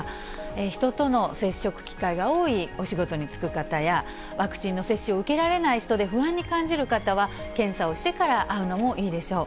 人との接触機会が多いお仕事に就く方や、ワクチンの接種を受けられない人で、不安に感じる方は、検査をしてから会うのもいいでしょう。